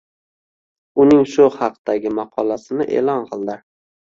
Uning shu haqdagi maqolasini elon qildi.